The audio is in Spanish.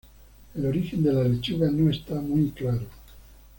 El origen de la lechuga no está muy claro.